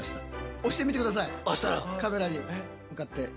押してみて下さいカメラに向かって。